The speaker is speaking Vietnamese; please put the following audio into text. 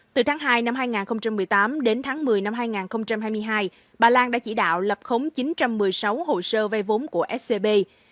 từ tháng hai năm hai nghìn một mươi tám đến tháng một mươi năm hai nghìn hai mươi hai bà lan đã chỉ đạo lập khống chín trăm một mươi sáu hồ sơ vay vốn của scb